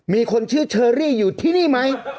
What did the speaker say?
มีคนชื่อเชอรี่อยู่ที่นี่ไหม